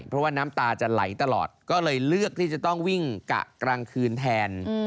เพราะว่าน้ำตาจะไหลตลอดก็เลยเลือกที่จะต้องวิ่งกะกลางคืนแทน